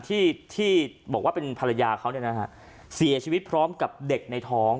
ที่ที่บอกว่าเป็นภรรยาเขาเนี่ยนะฮะเสียชีวิตพร้อมกับเด็กในท้อง